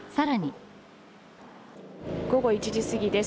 午後１時すぎです。